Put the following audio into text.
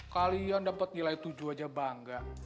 kalian dapet gilai tujuh aja bangga